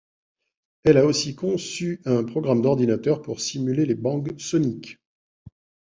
Elle a aussi conçu un programme d'ordinateur pour simuler les bangs soniques.